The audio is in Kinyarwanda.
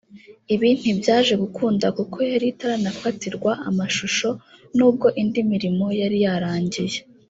ibi ntibyaje gukunda kuko yari itaranafatirwa amashusho n’ubwo indi mirimo yari yarangiye